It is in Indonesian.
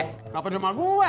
kenapa di rumah gue